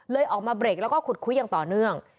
ออกมาเบรกแล้วก็ขุดคุยอย่างต่อเนื่อง